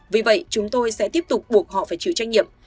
vì vậy chúng tôi sẽ tiếp tục buộc họ phải chịu trách nhiệm